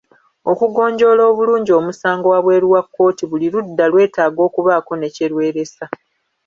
Okugonjoola obulungi omusango wabweru wa kkooti buli ludda lwetaaga okubaako ne kye lweresa.